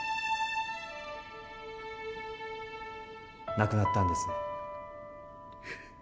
亡くなったんですね。